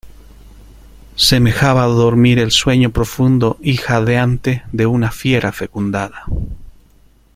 semejaba dormir el sueño profundo y jadeante de una fiera fecundada.